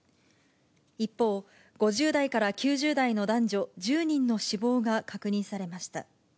一方、５０代から９０代の男女１０人の死亡が確認されました。